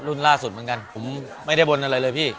ล่าสุดเหมือนกันผมไม่ได้บนอะไรเลยพี่